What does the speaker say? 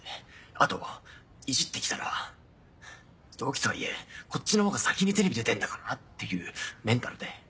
あといじってきたら「同期とはいえこっちの方が先にテレビ出てるんだからな」っていうメンタルで。